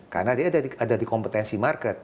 karena dia ada di kompetensi market